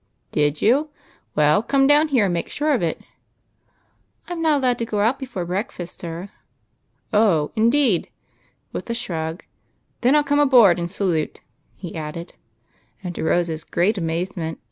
" Did you ? Well, come down here and make sure of it." " I 'm not allowed to go out before breakfast, sir." " Oh, indeed !" with a shrug. " Then I '11 come aboard and salute," he added ; and, to Rose's great amazement.